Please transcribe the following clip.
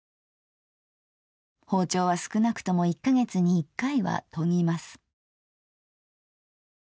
包丁は少なくとも一カ月に一回は研ぎます」。